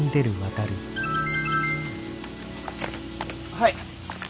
はい。